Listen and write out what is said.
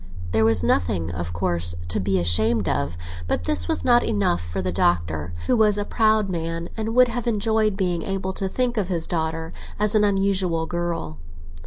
There was nothing, of course, to be ashamed of; but this was not enough for the Doctor, who was a proud man and would have enjoyed being able to think of his daughter as an unusual girl.